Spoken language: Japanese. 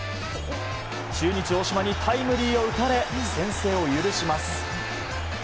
中日、大島にタイムリーを打たれ先制を許します。